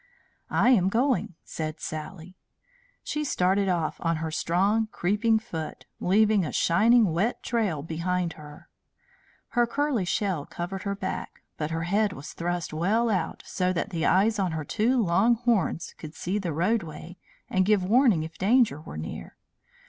"I am going," said Sally. She started off on her strong, creeping foot, leaving a shining wet trail behind her. Her curly shell covered her back, but her head was thrust well out, so that the eyes on her two long horns could see the roadway and give warning if danger were near.